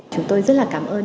chúng tôi rất là cảm ơn